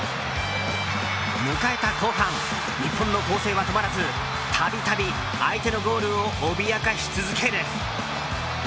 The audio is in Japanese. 迎えた後半日本の攻勢は止まらず度々、相手のゴールを脅かし続ける。